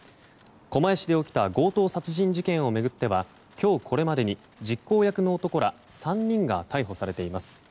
狛江市で起きた強盗殺人事件を巡っては今日これまでに実行役の男ら３人が逮捕されています。